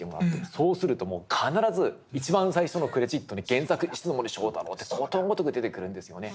そうするともう必ず一番最初のクレジットに「原作石森章太郎」ってことごとく出てくるんですよね。